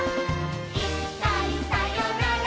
「いっかいさよなら